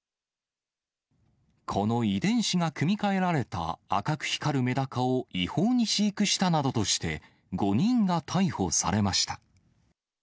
この遺伝子が組み換えられた赤く光るメダカを違法に飼育したなどとして５人が逮捕されました。